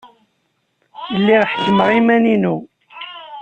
Lliɣ ḥekkmeɣ iman-inu.